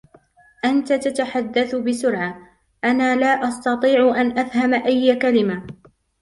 أنتَ تتحدث بسرعة, أنا لا أستطيع أن أفهم أي كلمة.